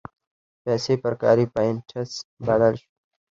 پیسې پر کاري پاینټس بدل شول.